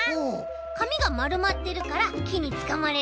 かみがまるまってるからきにつかまれるんだよ。